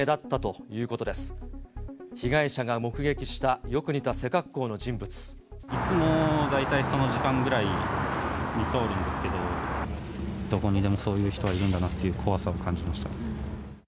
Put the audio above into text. いつも大体、その時間ぐらいに通るんですけど、どこにでもそういう人はいるんだなっていう怖さを感じました。